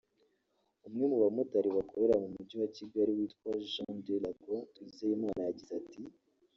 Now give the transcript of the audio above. umwe mu bamotari bakorera mu mujyi wa Kigali witwa Jean de la Croix Twizeyimana yagize ati